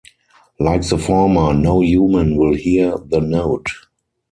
Like the former, no human will hear the note.